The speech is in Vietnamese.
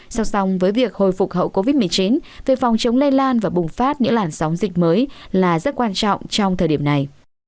song song với việc hồi phục hậu covid một mươi chín việc phòng chống lây lan và bùng phát những làn sóng dịch mới là rất quan trọng trong thời điểm này